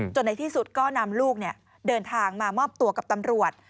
ในที่สุดก็นำลูกเดินทางมามอบตัวกับตำรวจ